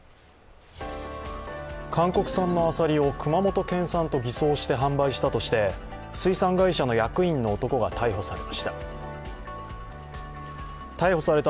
韓国産のアサリを熊本県産と偽装して販売したとして水産会社の役員の男が逮捕されました。